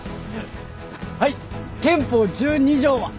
はい憲法１２条は？